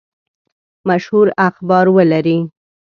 مشهور اخبار ولري.